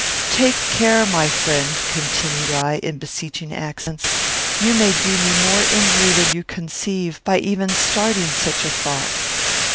"Take care, my friend," continued I, in beseeching accents, "you may do me more injury than you conceive, by even starting such a thought."